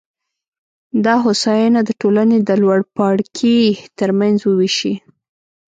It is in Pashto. دا هوساینه د ټولنې د لوړپاړکي ترمنځ ووېشي.